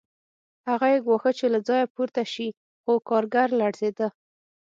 هغه یې ګواښه چې له ځایه پورته شي خو کارګر لړزېده